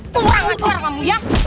tuanglah cuar kamu ya